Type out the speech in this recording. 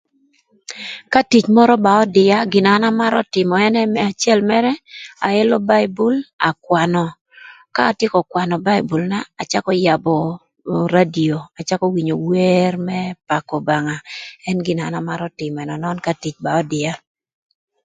Ka tic mörö ba ödïa gin na an amarö tïmö ënë më acël aelo baibul akwanö ka atyeko kwanö baibulna acakö yabö radio acakö winyo wer më pakö Obanga ën gin na an amarö tïmö ënön ka tic ba ödïa.